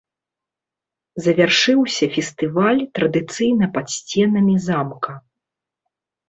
Завяршыўся фестываль традыцыйна пад сценамі замка.